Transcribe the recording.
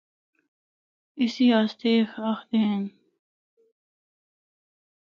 اسی آسطے اے آخدے ہن۔